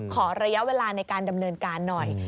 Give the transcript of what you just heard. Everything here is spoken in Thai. ขอระยะเวลาในการดำเนินการหน่อย